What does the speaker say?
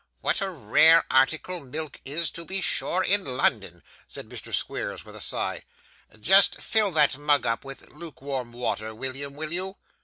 'What a rare article milk is, to be sure, in London!' said Mr. Squeers, with a sigh. 'Just fill that mug up with lukewarm water, William, will you?